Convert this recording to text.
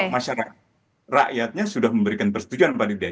masyarakat rakyatnya sudah memberikan persetujuan pada dia